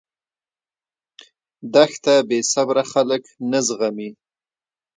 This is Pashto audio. دښته بېصبره خلک نه زغمي.